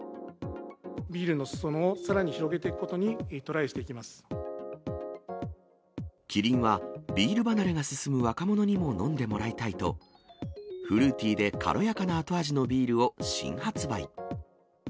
ビールのすそ野をさらに広げキリンは、ビール離れが進む若者にも、飲んでもらいたいと、フルーティーで軽やかな後味のビールを新発売。